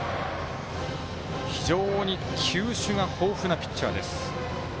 非常に球種が豊富なピッチャー。